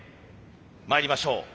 まいりましょう。